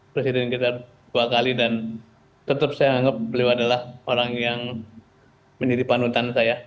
presiden kita dua kali dan tetap saya anggap beliau adalah orang yang menjadi panutan saya